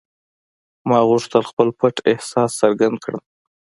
ما غوښتل خپل پټ احساس څرګند کړم